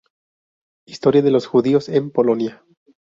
Historia de los judíos en Polonia